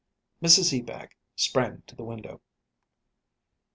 Mrs Ebag sprang to the window.